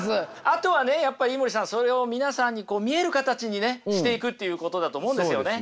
あとはねやっぱ飯森さんそれを皆さんに見える形にねしていくっていうことだと思うんですよね。